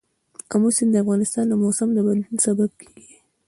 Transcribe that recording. آمو سیند د افغانستان د موسم د بدلون سبب کېږي.